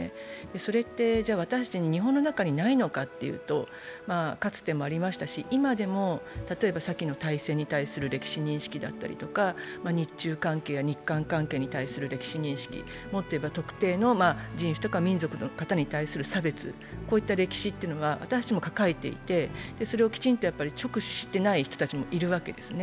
それって、じゃ私たちに日本の中にないのかというとかつてもありましたし、今でも例えばさきの大戦に対する歴史認識だとか、日中関係や日韓関係に関する歴史認識、もっといえば特定の人種とか民族の方に対する差別、こういった歴史というのは私たちも抱えていてそれをきちんと直視してない人たちもいるわけですね。